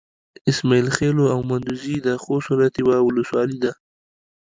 اسماعيل خېلو او مندوزي د خوست ولايت يوه ولسوالي ده.